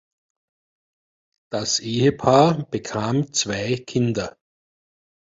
Das Ehepaar bekam zwei Kinder.